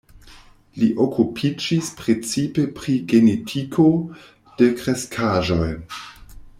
Li okupiĝis precipe pri genetiko de kreskaĵoj.